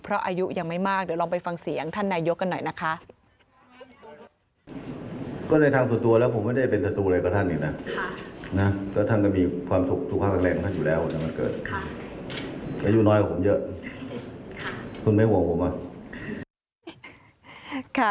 เพราะอายุยังไม่มากเดี๋ยวลองไปฟังเสียงท่านนายกกันหน่อยนะคะ